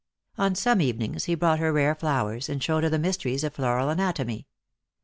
On some evenings he brought her rare flowers, and showed her the mysteries of floral anatomy.